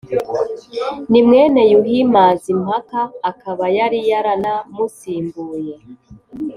Ni mwene Yuhi Mazimpaka akaba yari yaranamusimbuye